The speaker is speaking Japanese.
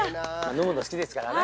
◆飲むの好きですからね。